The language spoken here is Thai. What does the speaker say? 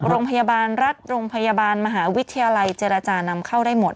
โรงพยาบาลรัฐโรงพยาบาลมหาวิทยาลัยเจรจานำเข้าได้หมด